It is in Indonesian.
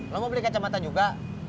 lo mau beli kacamatanya juga